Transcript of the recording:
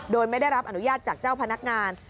โดยไม่ได้รับอนุญาตจากเจ้าพนักงาน